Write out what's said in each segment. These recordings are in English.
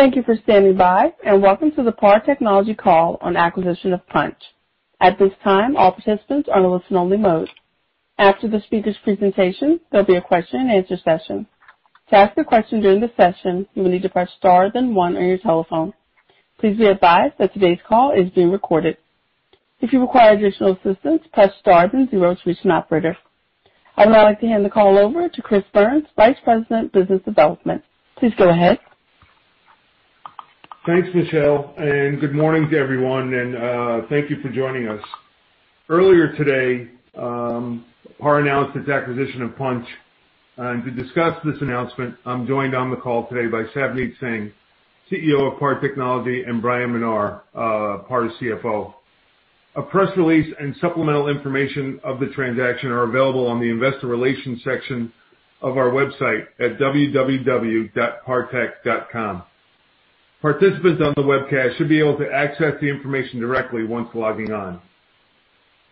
Thank you for standing by and welcome to the PAR Technology Call on Acquisition of Punchh. At this time, all participants are in a listen-only mode. After the speaker's presentation, there will be a question-and-answer session. To ask a question during the session, you will need to press star then 1 on your telephone. Please be advised that today's call is being recorded. If you require additional assistance, press star then 0 to reach an operator. I would now like to hand the call over to Chris Burns, Vice President, Business Development. Please go ahead. Thanks, Michelle, and good morning to everyone, and thank you for joining us. Earlier today, PAR announced its acquisition of Punchh. To discuss this announcement, I'm joined on the call today by Savneet Singh, CEO of PAR Technology, and Bryan Menar, PAR CFO. A press release and supplemental information of the transaction are available on the investor relations section of our website at www.partech.com. Participants on the webcast should be able to access the information directly once logging on.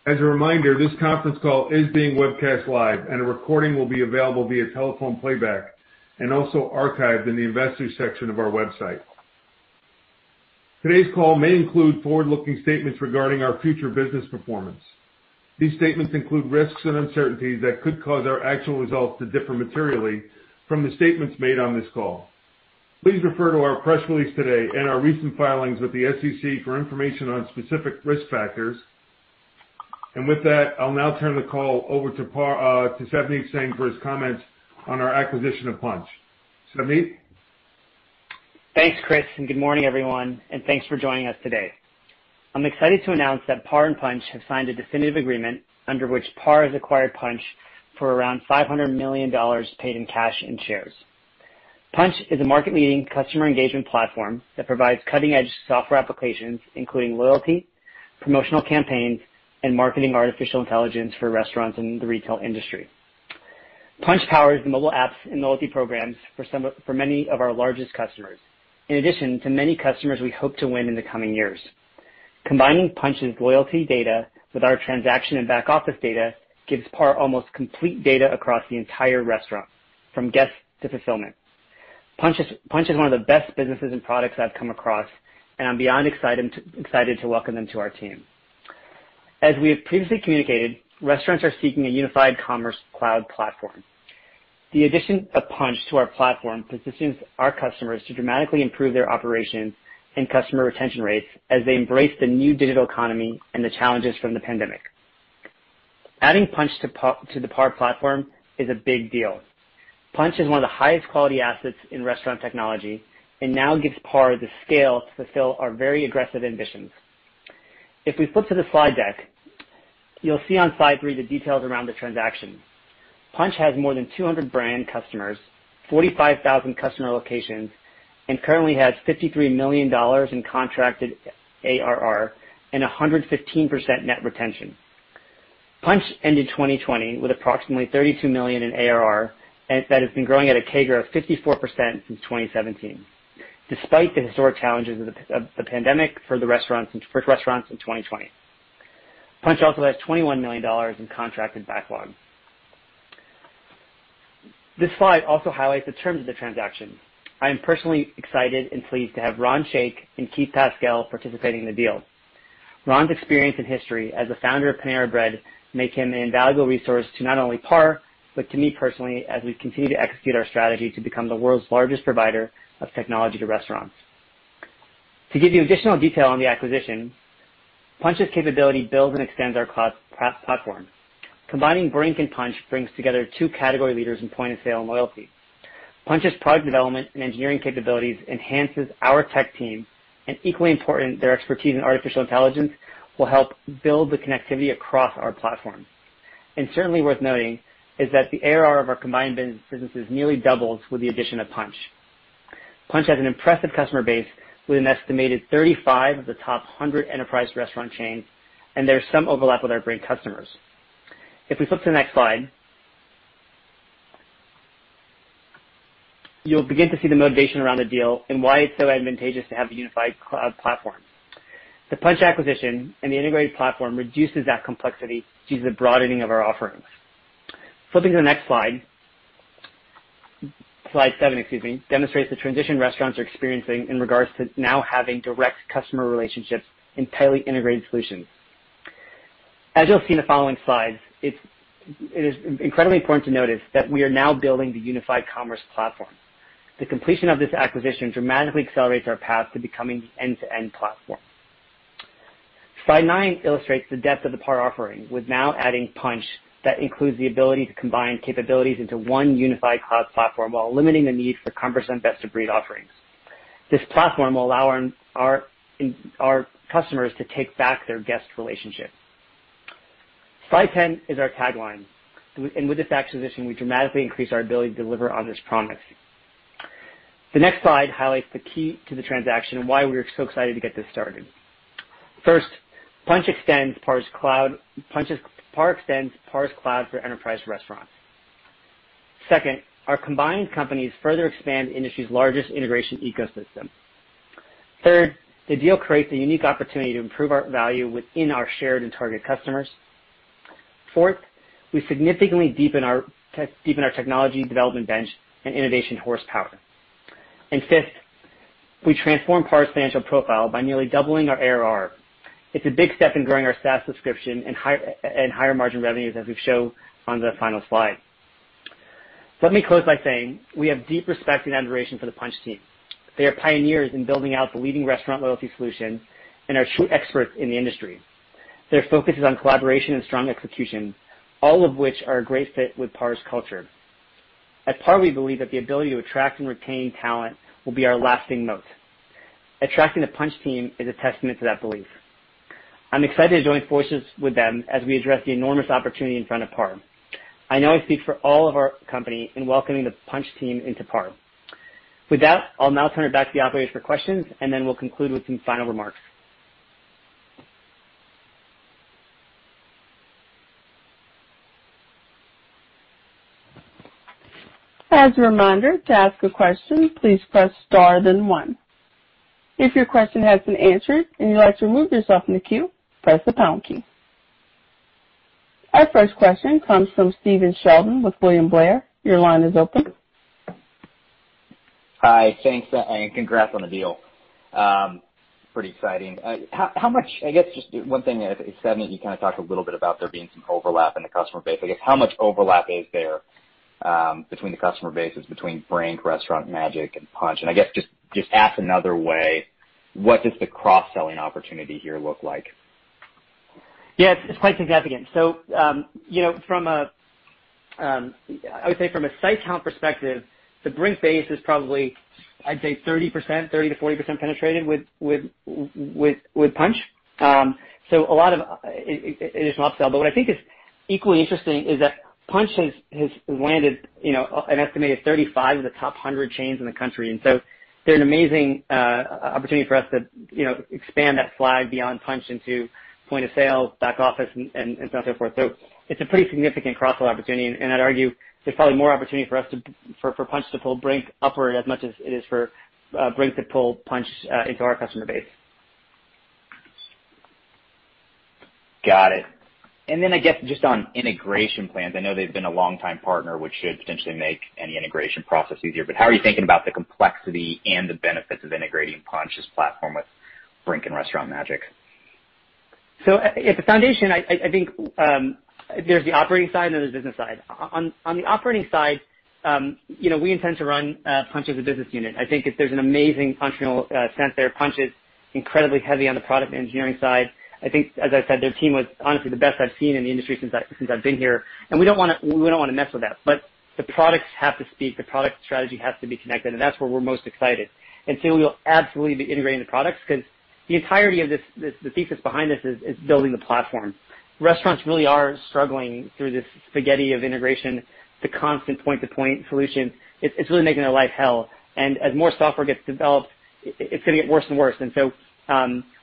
As a reminder, this conference call is being webcast live, and a recording will be available via telephone playback and also archived in the investors' section of our website. Today's call may include forward-looking statements regarding our future business performance. These statements include risks and uncertainties that could cause our actual results to differ materially from the statements made on this call. Please refer to our press release today and our recent filings with the SEC for information on specific risk factors. I will now turn the call over to Savneet Singh for his comments on our acquisition of Punchh. Savneet? Thanks, Chris, and good morning, everyone, and thanks for joining us today. I'm excited to announce that PAR and Punchh have signed a definitive agreement under which PAR has acquired Punchh for around $500 million paid in cash and shares. Punchh is a market-leading customer engagement platform that provides cutting-edge software applications, including loyalty, promotional campaigns, and marketing artificial intelligence for restaurants and the retail industry. Punchh powers the mobile apps and loyalty programs for many of our largest customers, in addition to many customers we hope to win in the coming years. Combining Punchh's loyalty data with our transaction and back-office data gives PAR almost complete data across the entire restaurant, from guests to fulfillment. Punchh is one of the best businesses and products I've come across, and I'm beyond excited to welcome them to our team. As we have previously communicated, restaurants are seeking a unified commerce cloud platform. The addition of Punchh to our platform positions our customers to dramatically improve their operations and customer retention rates as they embrace the new digital economy and the challenges from the pandemic. Adding Punchh to the PAR platform is a big deal. Punchh is one of the highest-quality assets in restaurant technology and now gives PAR the scale to fulfill our very aggressive ambitions. If we flip to the slide deck, you'll see on slide three the details around the transaction. Punchh has more than 200 brand customers, 45,000 customer locations, and currently has $53 million in contracted ARR and 115% net retention. Punchh ended 2020 with approximately $32 million in ARR that has been growing at a CAGR of 54% since 2017, despite the historic challenges of the pandemic for the restaurants in 2020. Punchh also has $21 million in contracted backlog. This slide also highlights the terms of the transaction. I am personally excited and pleased to have Ron Shaich and Keith Pascal participating in the deal. Ron's experience and history as the founder of Panera Bread make him an invaluable resource to not only PAR but to me personally as we continue to execute our strategy to become the world's largest provider of technology to restaurants. To give you additional detail on the acquisition, Punchh's capability builds and extends our platform. Combining Brink and Punchh brings together two category leaders in point of sale and loyalty. Punchh's product development and engineering capabilities enhance our tech team, and equally important, their expertise in artificial intelligence will help build the connectivity across our platform. Certainly worth noting is that the ARR of our combined businesses nearly doubles with the addition of Punchh. Punchh has an impressive customer base with an estimated 35 of the top 100 enterprise restaurant chains, and there's some overlap with our Brink customers. If we flip to the next slide, you'll begin to see the motivation around the deal and why it's so advantageous to have a unified cloud platform. The Punchh acquisition and the integrated platform reduces that complexity due to the broadening of our offerings. Flipping to the next slide, slide seven, excuse me, demonstrates the transition restaurants are experiencing in regards to now having direct customer relationships and tightly integrated solutions. As you'll see in the following slides, it is incredibly important to notice that we are now building the unified commerce platform. The completion of this acquisition dramatically accelerates our path to becoming the end-to-end platform. Slide nine illustrates the depth of the PAR offering with now adding Punchh that includes the ability to combine capabilities into one unified cloud platform while limiting the need for cumbersome best-of-breed offerings. This platform will allow our customers to take back their guest relationship. Slide 10 is our tagline, and with this acquisition, we dramatically increase our ability to deliver on this promise. The next slide highlights the key to the transaction and why we are so excited to get this started. First, Punchh extends PAR's cloud for enterprise restaurants. Second, our combined companies further expand the industry's largest integration ecosystem. Third, the deal creates a unique opportunity to improve our value within our shared and target customers. Fourth, we significantly deepen our technology development bench and innovation horsepower. Fifth, we transform PAR's financial profile by nearly doubling our ARR. It's a big step in growing our SaaS subscription and higher margin revenues as we show on the final slide. Let me close by saying we have deep respect and admiration for the Punchh team. They are pioneers in building out the leading restaurant loyalty solution and are true experts in the industry. Their focus is on collaboration and strong execution, all of which are a great fit with PAR's culture. At PAR, we believe that the ability to attract and retain talent will be our lasting moat. Attracting the Punchh team is a testament to that belief. I'm excited to join forces with them as we address the enormous opportunity in front of PAR. I know I speak for all of our company in welcoming the Punchh team into PAR. With that, I'll now turn it back to the operators for questions, and then we'll conclude with some final remarks. As a reminder, to ask a question, please press star then 1. If your question has been answered and you'd like to remove yourself from the queue, press the pound key. Our first question comes from Stephen Sheldon with William Blair. Your line is open. Hi. Thanks, and congrats on the deal. Pretty exciting. How much, I guess, just one thing, Savneet, you kind of talked a little bit about there being some overlap in the customer base. I guess how much overlap is there between the customer bases between Brink, Restaurant Magic, and Punchh? I guess just ask another way, what does the cross-selling opportunity here look like? Yeah, it's quite significant. From a, I would say from a site count perspective, the Brink base is probably, I'd say, 30%-40% penetrated with Punchh. A lot of additional upsell. What I think is equally interesting is that Punchh has landed an estimated 35 of the top 100 chains in the country. They're an amazing opportunity for us to expand that flag beyond Punchh into point of sale, back office, and so on and so forth. It's a pretty significant cross-sell opportunity. I'd argue there's probably more opportunity for Punchh to pull Brink upward as much as it is for Brink to pull Punchh into our customer base. Got it. I guess just on integration plans, I know they've been a longtime partner, which should potentially make any integration process easier. How are you thinking about the complexity and the benefits of integrating Punchh's platform with Brink and Restaurant Magic? At the foundation, I think there's the operating side and there's the business side. On the operating side, we intend to run Punchh as a business unit. I think there's an amazing functional sense there. Punchh is incredibly heavy on the product and engineering side. I think, as I said, their team was honestly the best I've seen in the industry since I've been here. We don't want to mess with that. The products have to speak. The product strategy has to be connected. That's where we're most excited. We'll absolutely be integrating the products because the entirety of the thesis behind this is building the platform. Restaurants really are struggling through this spaghetti of integration, the constant point-to-point solution. It's really making their life hell. As more software gets developed, it's going to get worse and worse.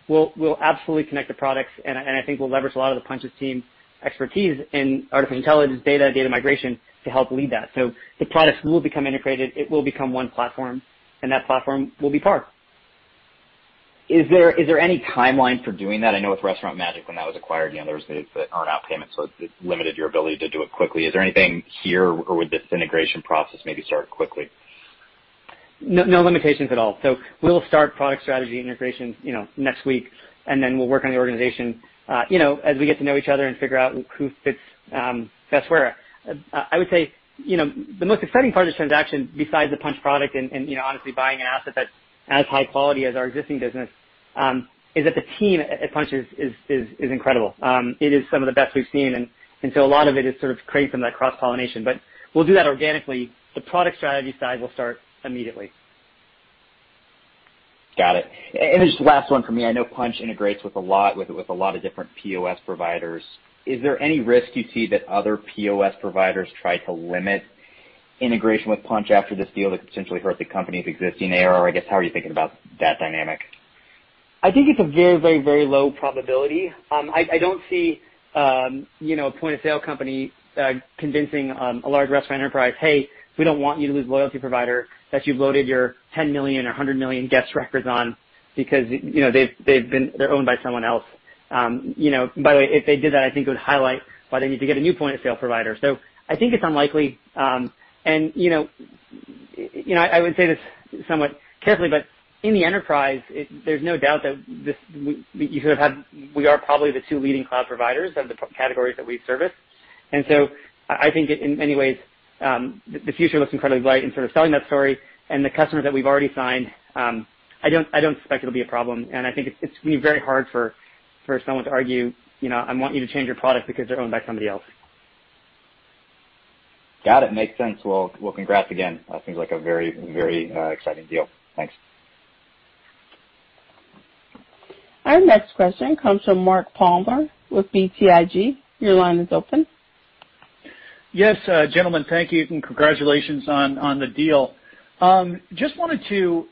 We'll absolutely connect the products. I think we'll leverage a lot of the Punchh team's expertise in artificial intelligence, data, data migration to help lead that. The products will become integrated. It will become one platform. That platform will be PAR. Is there any timeline for doing that? I know with Restaurant Magic, when that was acquired, there was the earn-out payment, so it limited your ability to do it quickly. Is there anything here, or would this integration process maybe start quickly? No limitations at all. We'll start product strategy integration next week, and then we'll work on the organization as we get to know each other and figure out who fits best where. I would say the most exciting part of this transaction, besides the Punchh product and honestly buying an asset that's as high quality as our existing business, is that the team at Punchh is incredible. It is some of the best we've seen. A lot of it is sort of creating some of that cross-pollination. We'll do that organically. The product strategy side will start immediately. Got it. Just the last one for me. I know Punchh integrates with a lot of different POS providers. Is there any risk you see that other POS providers try to limit integration with Punchh after this deal that could potentially hurt the company's existing ARR? I guess how are you thinking about that dynamic? I think it's a very, very, very low probability. I don't see a point of sale company convincing a large restaurant enterprise, "Hey, we don't want you to lose a loyalty provider that you've loaded your 10 million or 100 million guest records on because they're owned by someone else." By the way, if they did that, I think it would highlight why they need to get a new point of sale provider. I think it's unlikely. I would say this somewhat carefully, but in the enterprise, there's no doubt that we are probably the two leading cloud providers of the categories that we service. I think in many ways, the future looks incredibly bright in sort of selling that story. The customers that we've already signed, I don't suspect it'll be a problem. I think it's going to be very hard for someone to argue, "I want you to change your product because they're owned by somebody else. Got it. Makes sense. Congrats again. That seems like a very, very exciting deal. Thanks. Our next question comes from Mark Palmer with BTIG. Your line is open. Yes, gentlemen. Thank you. Congratulations on the deal. I just wanted to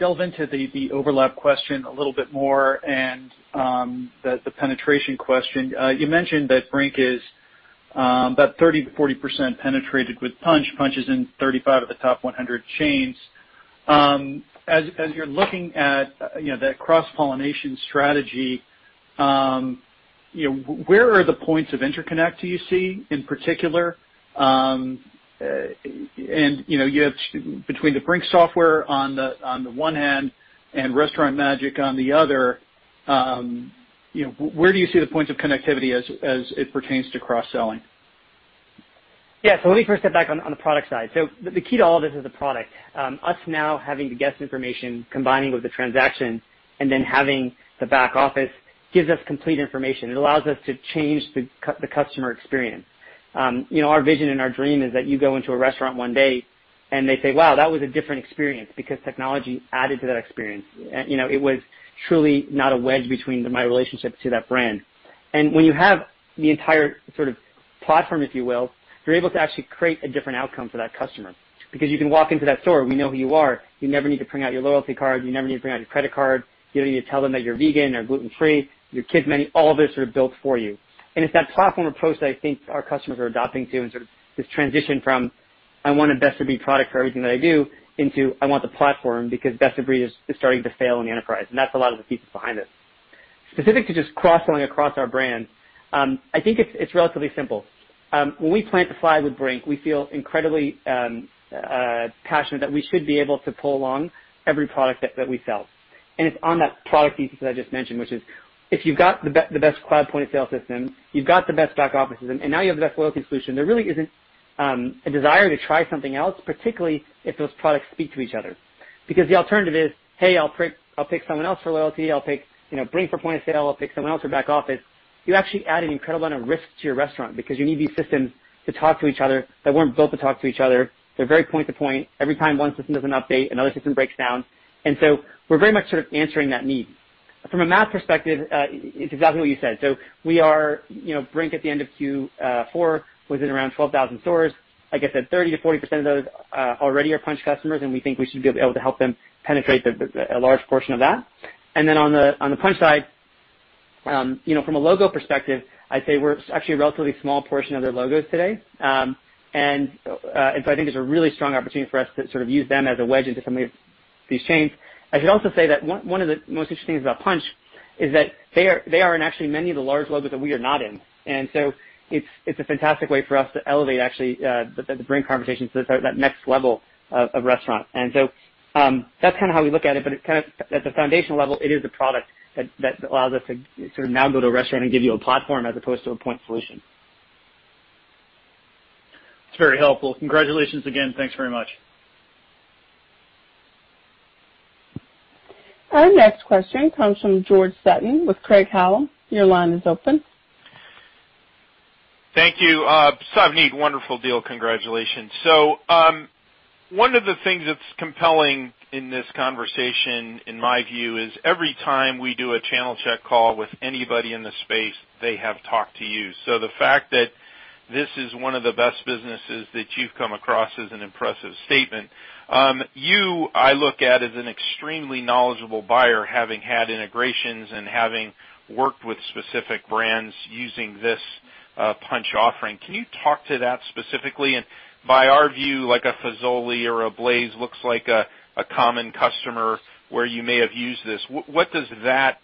delve into the overlap question a little bit more and the penetration question. You mentioned that Brink is about 30-40% penetrated with Punchh. Punchh is in 35 of the top 100 chains. As you're looking at that cross-pollination strategy, where are the points of interconnect you see in particular? Between the Brink software on the one hand and Restaurant Magic on the other, where do you see the points of connectivity as it pertains to cross-selling? Yeah. Let me first step back on the product side. The key to all of this is the product. Us now having the guest information combining with the transaction and then having the back office gives us complete information. It allows us to change the customer experience. Our vision and our dream is that you go into a restaurant one day and they say, "Wow, that was a different experience because technology added to that experience." It was truly not a wedge between my relationship to that brand. When you have the entire sort of platform, if you will, you're able to actually create a different outcome for that customer because you can walk into that store. We know who you are. You never need to print out your loyalty card. You never need to print out your credit card. You don't need to tell them that you're vegan or gluten-free. Your kids' menu, all of this is sort of built for you. It is that platform approach that I think our customers are adopting too. This transition from, "I want a best-of-breed product for everything that I do," into, "I want the platform because best-of-breed is starting to fail in the enterprise." That is a lot of the thesis behind this. Specific to just cross-selling across our brand, I think it's relatively simple. When we plant the flag with Brink, we feel incredibly passionate that we should be able to pull along every product that we sell. It is on that product thesis that I just mentioned, which is if you've got the best cloud point of sale system, you've got the best back office, and now you have the best loyalty solution, there really isn't a desire to try something else, particularly if those products speak to each other. The alternative is, "Hey, I'll pick someone else for loyalty. I'll pick Brink for point of sale. I'll pick someone else for back office." You actually add an incredible amount of risk to your restaurant because you need these systems to talk to each other that were not built to talk to each other. They are very point-to-point. Every time one system does not update, another system breaks down. We are very much sort of answering that need. From a math perspective, it is exactly what you said. We are Brink at the end of Q4 within around 12,000 stores. Like I said, 30-40% of those already are Punchh customers, and we think we should be able to help them penetrate a large portion of that. On the Punchh side, from a logo perspective, I'd say we're actually a relatively small portion of their logos today. I think it's a really strong opportunity for us to sort of use them as a wedge into some of these chains. I should also say that one of the most interesting things about Punchh is that they are in actually many of the large logos that we are not in. It's a fantastic way for us to elevate actually the Brink conversations to that next level of restaurant. That's kind of how we look at it. At the foundational level, it is the product that allows us to sort of now go to a restaurant and give you a platform as opposed to a point solution. It's very helpful. Congratulations again. Thanks very much. Our next question comes from George Sutton with Craig-Hallum. Your line is open. Thank you. Savneet, wonderful deal. Congratulations. One of the things that's compelling in this conversation, in my view, is every time we do a channel check call with anybody in the space, they have talked to you. The fact that this is one of the best businesses that you've come across is an impressive statement. You, I look at as an extremely knowledgeable buyer, having had integrations and having worked with specific brands using this Punchh offering. Can you talk to that specifically? By our view, like a Fazoli or a Blaze looks like a common customer where you may have used this. What does that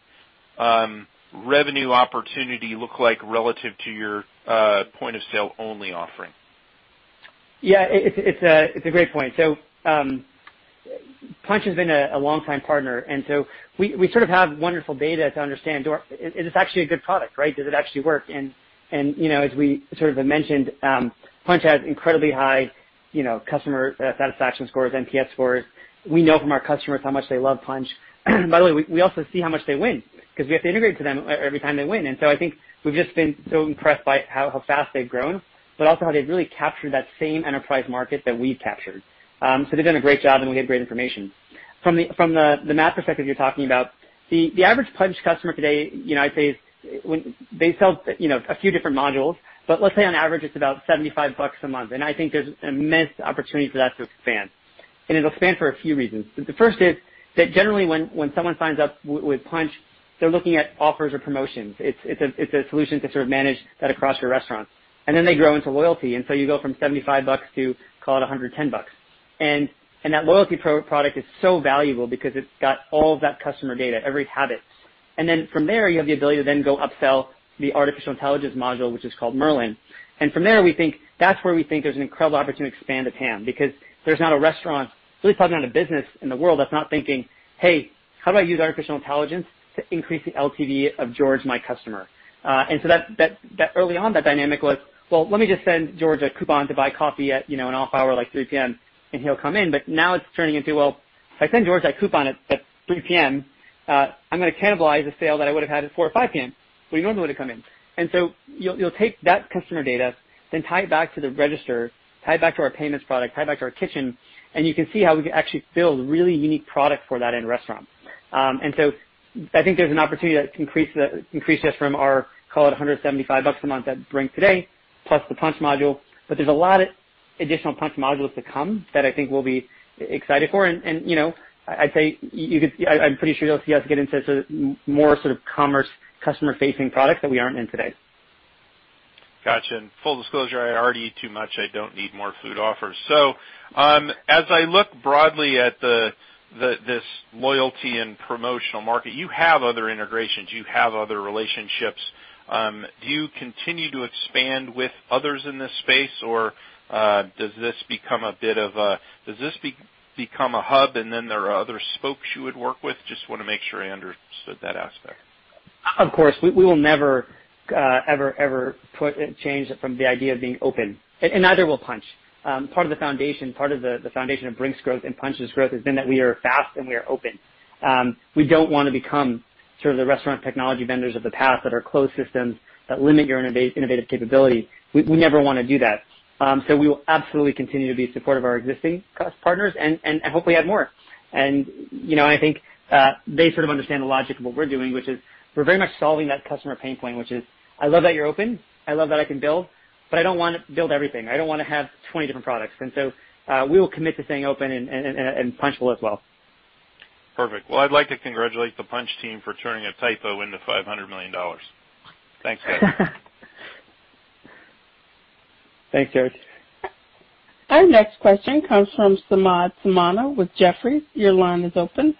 revenue opportunity look like relative to your point of sale only offering? Yeah, it's a great point. Punchh has been a longtime partner. We sort of have wonderful data to understand, is this actually a good product, right? Does it actually work? As we sort of mentioned, Punchh has incredibly high customer satisfaction scores, NPS scores. We know from our customers how much they love Punchh. By the way, we also see how much they win because we have to integrate to them every time they win. I think we've just been so impressed by how fast they've grown, but also how they've really captured that same enterprise market that we've captured. They've done a great job, and we have great information. From the math perspective you're talking about, the average Punchh customer today, I'd say they sell a few different modules, but let's say on average it's about $75 a month. I think there's an immense opportunity for that to expand. It'll expand for a few reasons. The first is that generally when someone signs up with Punchh, they're looking at offers or promotions. It's a solution to sort of manage that across your restaurant. They grow into loyalty. You go from $75 to, call it, $110. That loyalty product is so valuable because it's got all of that customer data, every habit. From there, you have the ability to then go upsell the artificial intelligence module, which is called Merlin. From there, we think that's where we think there's an incredible opportunity to expand the TAM because there's not a restaurant, really probably not a business in the world that's not thinking, "Hey, how do I use artificial intelligence to increase the LTV of George, my customer?" Early on, that dynamic was, "Let me just send George a coupon to buy coffee at an off hour like 3:00 P.M., and he'll come in." Now it's turning into, "If I send George that coupon at 3:00 P.M., I'm going to cannibalize a sale that I would have had at 4:00 or 5:00 P.M., where he normally would have come in." You take that customer data, then tie it back to the register, tie it back to our payments product, tie it back to our kitchen, and you can see how we can actually build really unique products for that end restaurant. I think there's an opportunity that increases from our, call it, $175 a month at Brink today, plus the Punchh module. There are a lot of additional Punchh modules to come that I think we'll be excited for. I'd say I'm pretty sure you'll see us get into more commerce customer-facing products that we aren't in today. Gotcha. Full disclosure, I already eat too much. I don't need more food offers. As I look broadly at this loyalty and promotional market, you have other integrations. You have other relationships. Do you continue to expand with others in this space, or does this become a bit of a hub, and then there are other spokes you would work with? Just want to make sure I understood that aspect. Of course. We will never, ever, ever change it from the idea of being open. Neither will Punchh. Part of the foundation of Brink's growth and Punchh's growth has been that we are fast and we are open. We do not want to become sort of the restaurant technology vendors of the past that are closed systems that limit your innovative capability. We never want to do that. We will absolutely continue to be supportive of our existing partners and hopefully add more. I think they sort of understand the logic of what we are doing, which is we are very much solving that customer pain point, which is, "I love that you are open. I love that I can build, but I do not want to build everything. I do not want to have 20 different products." We will commit to staying open and Punchh-ful as well. Perfect. I’d like to congratulate the Punchh team for turning a typo into $500 million. Thanks, guys. Thanks, George. Our next question comes from Samad Samana with Jefferies. Your line is open.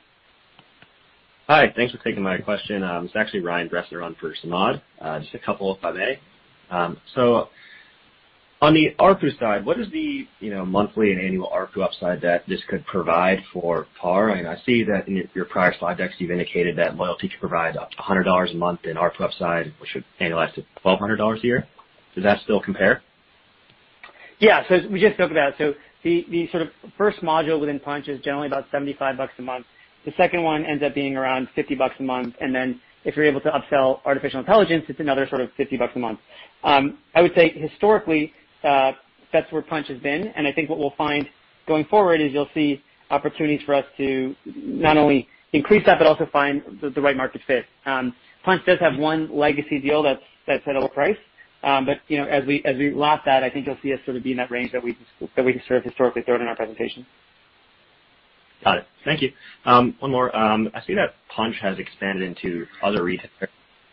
Hi. Thanks for taking my question. It's actually Ryan Presner on for Samad, just a couple if I may. On the RPU side, what is the monthly and annual RPU upside that this could provide for PAR? I see that in your prior slide decks, you've indicated that loyalty could provide $100 a month in RPU upside, which would annualize to $1,200 a year. Does that still compare? Yeah. We just spoke about it. The sort of first module within Punchh is generally about $75 a month. The second one ends up being around $50 a month. If you're able to upsell artificial intelligence, it's another sort of $50 a month. I would say historically, that's where Punchh has been. I think what we'll find going forward is you'll see opportunities for us to not only increase that, but also find the right market fit. Punchh does have one legacy deal that's at a low price. As we last that, I think you'll see us sort of be in that range that we sort of historically throw it in our presentation. Got it. Thank you. One more. I see that Punchh has expanded into other retail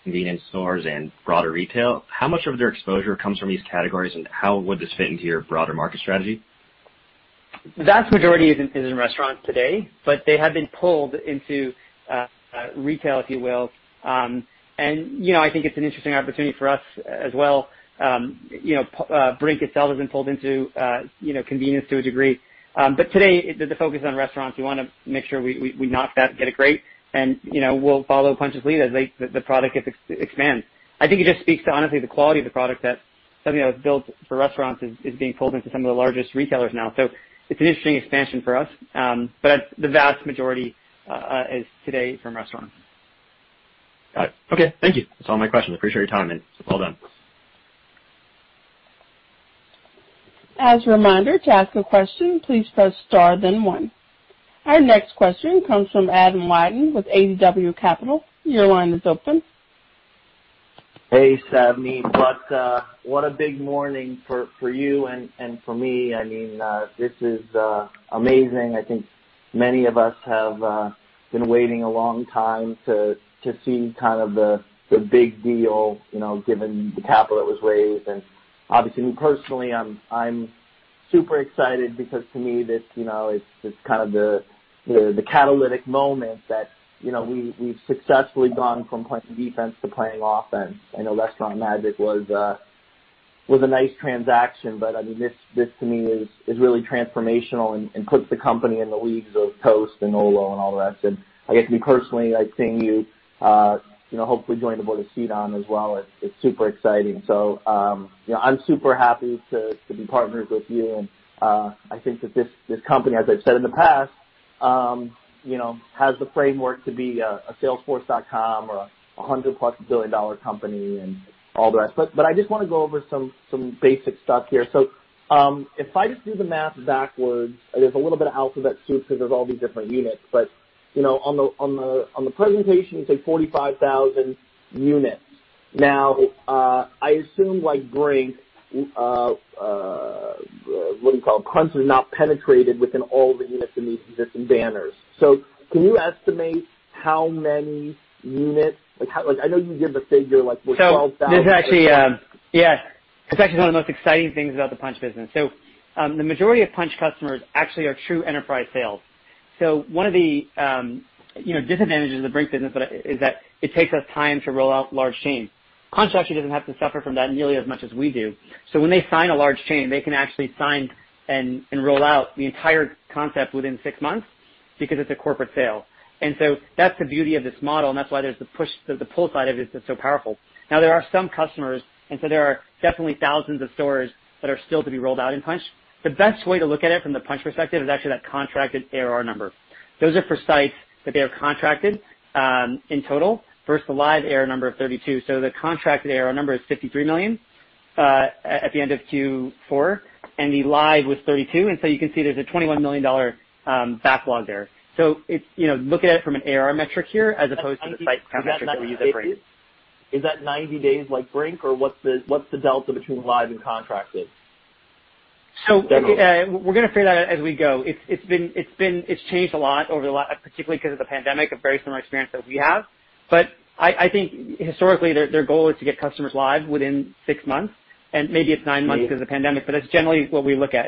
convenience stores and broader retail. How much of their exposure comes from these categories, and how would this fit into your broader market strategy? The vast majority is in restaurants today, but they have been pulled into retail, if you will. I think it's an interesting opportunity for us as well. Brink itself has been pulled into convenience to a degree. Today, the focus on restaurants, we want to make sure we knock that, get it great, and we'll follow Punchh's lead as the product expands. I think it just speaks to, honestly, the quality of the product that something that was built for restaurants is being pulled into some of the largest retailers now. It is an interesting expansion for us. The vast majority is today from restaurants. Got it. Okay. Thank you. That's all my questions. Appreciate your time, and well done. As a reminder, to ask a question, please press star, then 1. Our next question comes from Adam Wyden with ADW Capital. Your line is open. Hey, Savneet. What a big morning for you and for me. I mean, this is amazing. I think many of us have been waiting a long time to see kind of the big deal given the capital that was raised. Obviously, me personally, I'm super excited because to me, it's kind of the catalytic moment that we've successfully gone from playing defense to playing offense. I know Restaurant Magic was a nice transaction, but I mean, this to me is really transformational and puts the company in the leagues of Toast and Olo and all the rest. I guess me personally, like seeing you hopefully join the board of CDON as well, it's super exciting. I'm super happy to be partners with you. I think that this company, as I've said in the past, has the framework to be a Salesforce.com or a 100-plus billion-dollar company and all the rest. I just want to go over some basic stuff here. If I just do the math backwards, there's a little bit of alphabet soup because there's all these different units. On the presentation, you say 45,000 units. Now, I assume like Brink, what do you call it? Punchh has not penetrated within all the units in these existing banners. Can you estimate how many units? I know you give a figure like 12,000. Yeah, it's actually one of the most exciting things about the Punchh business. The majority of Punchh customers actually are true enterprise sales. One of the disadvantages of the Brink business is that it takes us time to roll out large chains. Punchh actually doesn't have to suffer from that nearly as much as we do. When they sign a large chain, they can actually sign and roll out the entire concept within six months because it's a corporate sale. That's the beauty of this model, and that's why there's the push. The pull side of it is so powerful. There are some customers, and there are definitely thousands of stores that are still to be rolled out in Punchh. The best way to look at it from the Punchh perspective is actually that contracted ARR number. Those are for sites that they are contracted in total versus the live ARR number of 32. The contracted ARR number is $53 million at the end of Q4, and the live was $32 million. You can see there is a $21 million backlog there. Look at it from an ARR metric here as opposed to the site count metric that we use at Brink. Is that 90 days like Brink, or what's the delta between live and contracted? We're going to figure that out as we go. It's changed a lot over the last, particularly because of the pandemic, a very similar experience that we have. I think historically, their goal is to get customers live within six months, and maybe it's nine months because of the pandemic, but that's generally what we look at.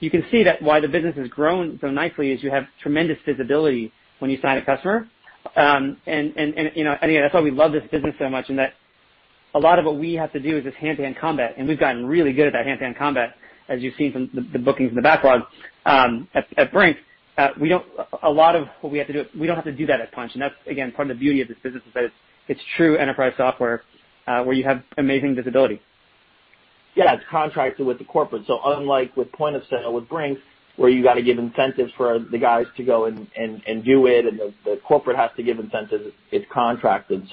You can see that why the business has grown so nicely is you have tremendous visibility when you sign a customer. Again, that's why we love this business so much in that a lot of what we have to do is this hand-to-hand combat. We've gotten really good at that hand-to-hand combat, as you've seen from the bookings and the backlog. At Brink, a lot of what we have to do, we don't have to do that at Punchh. That's, again, part of the beauty of this business is that it's true enterprise software where you have amazing visibility. Yeah, it's contracted with the corporate. Unlike with point of sale with Brink, where you got to give incentives for the guys to go and do it, and the corporate has to give incentives, it's contracted.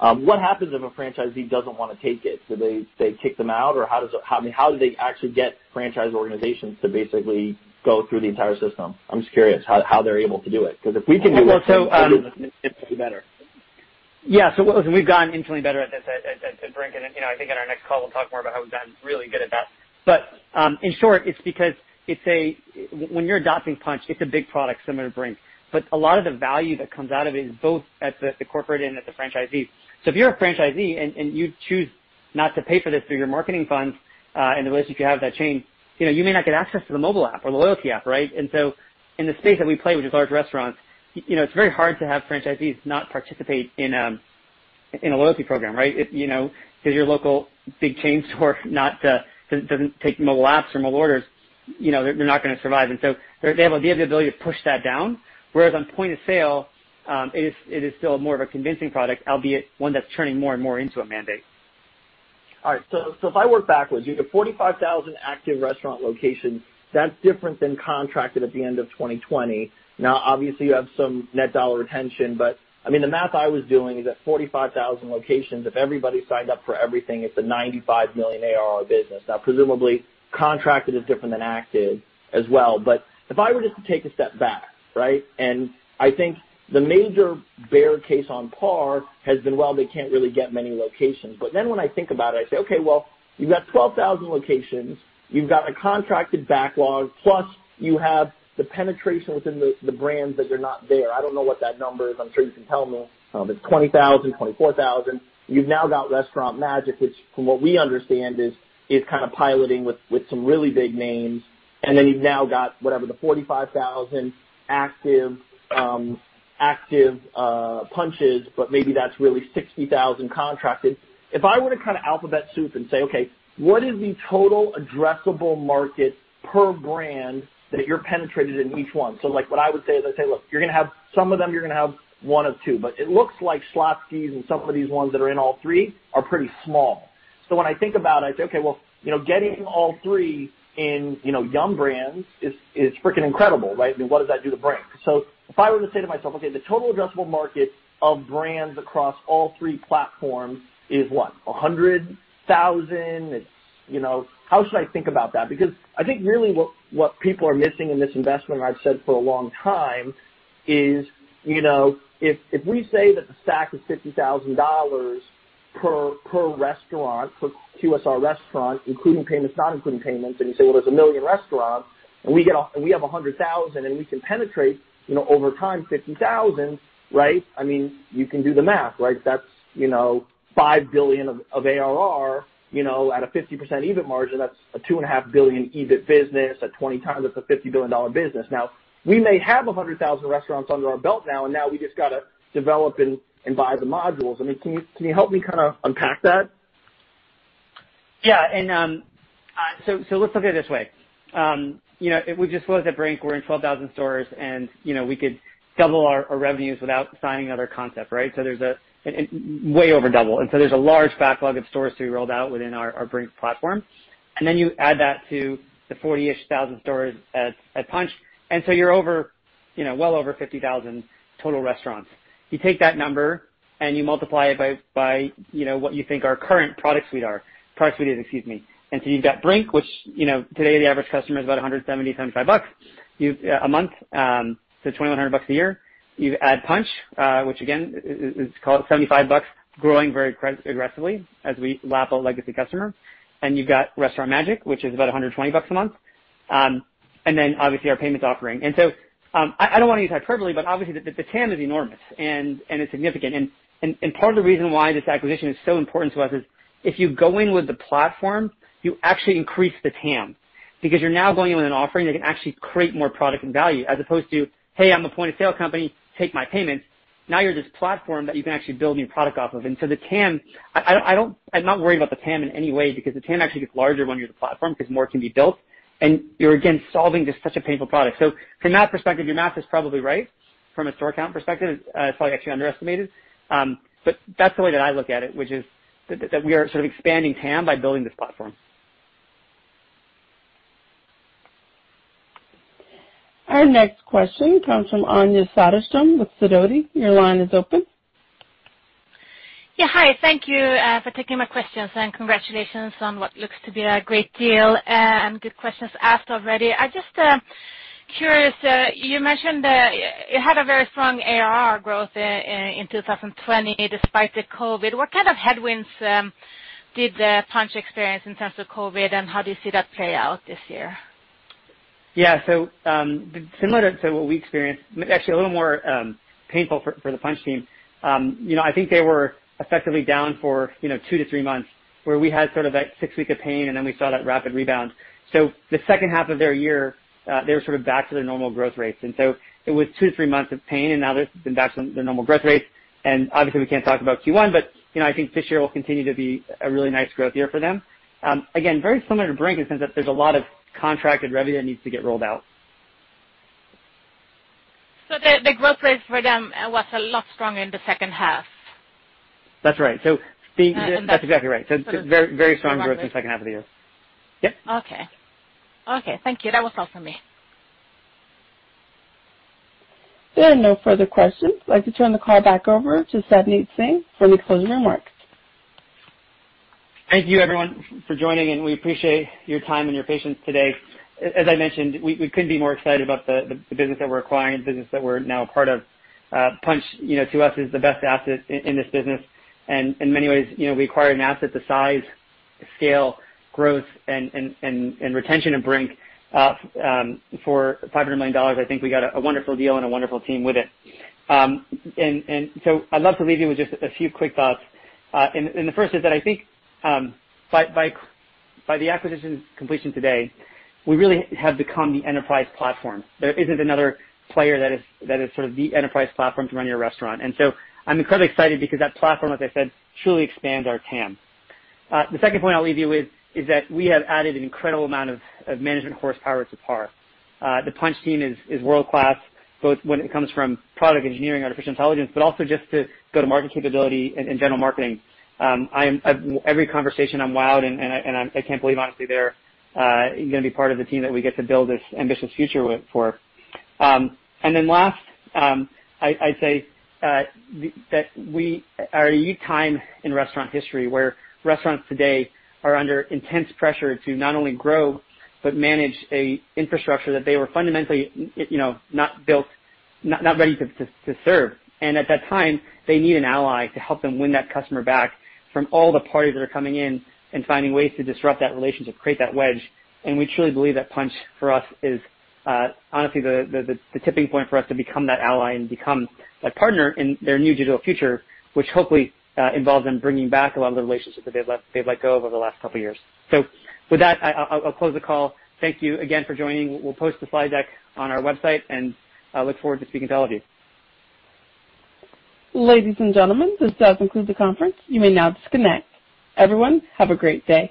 What happens if a franchisee doesn't want to take it? Do they kick them out, or how do they actually get franchise organizations to basically go through the entire system? I'm just curious how they're able to do it. Because if we can do it. We're infinitely better. Yeah. We've gotten infinitely better at this at Brink. I think at our next call, we'll talk more about how we've gotten really good at that. In short, it's because when you're adopting Punchh, it's a big product similar to Brink. A lot of the value that comes out of it is both at the corporate and at the franchisee. If you're a franchisee and you choose not to pay for this through your marketing funds and the way that you have that chain, you may not get access to the mobile app or the loyalty app, right? In the space that we play, which is large restaurants, it's very hard to have franchisees not participate in a loyalty program, right? Because your local big chain store doesn't take mobile apps or mobile orders, they're not going to survive. They have the ability to push that down. Whereas on point of sale, it is still more of a convincing product, albeit one that's turning more and more into a mandate. All right. If I work backwards, you have 45,000 active restaurant locations. That is different than contracted at the end of 2020. Obviously, you have some net dollar retention, but I mean, the math I was doing is that 45,000 locations, if everybody signed up for everything, it is a $95 million ARR business. Presumably, contracted is different than active as well. If I were just to take a step back, right? I think the major bear case on PAR has been, they cannot really get many locations. When I think about it, I say, "Okay, you have 12,000 locations. You have a contracted backlog, plus you have the penetration within the brands that are not there." I do not know what that number is. I am sure you can tell me. It is 20,000, 24,000. You've now got Restaurant Magic, which from what we understand is kind of piloting with some really big names. You've now got whatever, the 45,000 active Punchhs, but maybe that's really 60,000 contracted. If I were to kind of alphabet soup and say, "Okay, what is the total addressable market per brand that you're penetrated in each one?" What I would say is I say, "Look, you're going to have some of them, you're going to have one of two." It looks like Schlotzsky's and some of these ones that are in all three are pretty small. When I think about it, I say, "Okay, getting all 3 in Yum Brands is freaking incredible, right? I mean, what does that do to Brink?" If I were to say to myself, "Okay, the total addressable market of brands across all three platforms is what? 100,000? How should I think about that?" Because I think really what people are missing in this investment, and I've said for a long time, is if we say that the stack is $50,000 per restaurant, per QSR restaurant, including payments, not including payments, and you say, "Well, there's a million restaurants, and we have 100,000, and we can penetrate over time 50,000," right? I mean, you can do the math, right? That's $5 billion of ARR at a 50% EBIT margin. That's a $2.5 billion EBIT business at 20 times that's a $50 billion business. Now, we may have 100,000 restaurants under our belt now, and now we just got to develop and buy the modules. I mean, can you help me kind of unpack that? Yeah. Let's look at it this way. We just closed at Brink. We're in 12,000 stores, and we could double our revenues without signing another concept, right? There is a way over double. There is a large backlog of stores to be rolled out within our Brink platform. You add that to the 40-ish thousand stores at Punchh, and you are well over 50,000 total restaurants. You take that number and you multiply it by what you think our current product suite is. Excuse me. You have got Brink, which today the average customer is about $170, $175 a month, so $2,100 a year. You add Punchh, which again, is called $75, growing very aggressively as we lap our legacy customer. You have got Restaurant Magic, which is about $120 a month. Obviously our payments offering. I do not want to use hyperbole, but obviously the TAM is enormous and it is significant. Part of the reason why this acquisition is so important to us is if you go in with the platform, you actually increase the TAM because you are now going in with an offering that can actually create more product and value as opposed to, "Hey, I am a point of sale company, take my payments." Now you are this platform that you can actually build new product off of. The TAM, I am not worried about the TAM in any way because the TAM actually gets larger when you are the platform because more can be built. You are again solving just such a painful product. From that perspective, your math is probably right. From a store account perspective, it is probably actually underestimated. That is the way that I look at it, which is that we are sort of expanding TAM by building this platform. Our next question comes from Anja Soderstrom with Sidoti. Your line is open. Yeah. Hi. Thank you for taking my questions and congratulations on what looks to be a great deal and good questions asked already. I'm just curious, you mentioned that you had a very strong ARR growth in 2020 despite the COVID. What kind of headwinds did the Punchh experience in terms of COVID, and how do you see that play out this year? Yeah. Similar to what we experienced, actually a little more painful for the Punchh team. I think they were effectively down for two to three months where we had sort of that six-week of pain, and then we saw that rapid rebound. The second half of their year, they were sort of back to their normal growth rates. It was two to three months of pain, and now they've been back to their normal growth rates. Obviously, we can't talk about Q1, but I think this year will continue to be a really nice growth year for them. Again, very similar to Brink in the sense that there's a lot of contracted revenue that needs to get rolled out. The growth rate for them was a lot stronger in the second half? That's right. That's exactly right. Very strong growth in the second half of the year. Yep. Okay. Okay. Thank you. That was all from me. There are no further questions. I'd like to turn the call back over to Savneet Singh for the closing remarks. Thank you, everyone, for joining, and we appreciate your time and your patience today. As I mentioned, we couldn't be more excited about the business that we're acquiring, the business that we're now a part of. Punchh to us is the best asset in this business. In many ways, we acquired an asset the size, scale, growth, and retention of Brink. For $500 million, I think we got a wonderful deal and a wonderful team with it. I would love to leave you with just a few quick thoughts. The first is that I think by the acquisition completion today, we really have become the enterprise platform. There isn't another player that is sort of the enterprise platform to run your restaurant. I am incredibly excited because that platform, as I said, truly expands our TAM. The second point I'll leave you with is that we have added an incredible amount of management horsepower to PAR. The Punchh team is world-class, both when it comes from product engineering, artificial intelligence, but also just to go-to-market capability and general marketing. Every conversation, I'm wowed, and I can't believe, honestly, they're going to be part of the team that we get to build this ambitious future for. Last, I'd say that we are a unique time in restaurant history where restaurants today are under intense pressure to not only grow but manage an infrastructure that they were fundamentally not ready to serve. At that time, they need an ally to help them win that customer back from all the parties that are coming in and finding ways to disrupt that relationship, create that wedge. We truly believe that Punchh for us is honestly the tipping point for us to become that ally and become that partner in their new digital future, which hopefully involves them bringing back a lot of the relationships that they've let go of over the last couple of years. With that, I'll close the call. Thank you again for joining. We'll post the slide deck on our website, and I look forward to speaking to all of you. Ladies and gentlemen, this does conclude the conference. You may now disconnect. Everyone, have a great day.